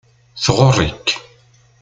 Tɣurr-ik.